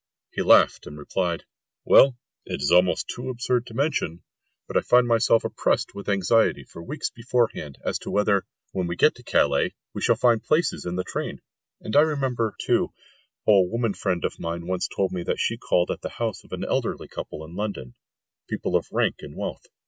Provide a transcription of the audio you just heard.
He laughed, and replied, "Well, it is almost too absurd to mention, but I find myself oppressed with anxiety for weeks beforehand as to whether, when we get to Calais, we shall find places in the train." And I remember, too, how a woman friend of mine once told me that she called at the house of an elderly couple in London, people of rank and wealth.